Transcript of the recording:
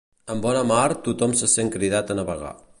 Amb bona mar tothom se sent cridat a navegar.